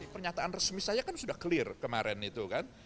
pernyataan resmi saya kan sudah clear kemarin itu kan